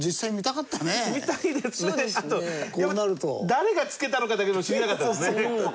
誰が付けたのかだけでも知りたかったですね。